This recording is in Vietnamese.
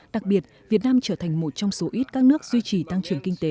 đặc biệt việt nam trở thành một trong số ít các nước duy trì tăng trưởng kinh tế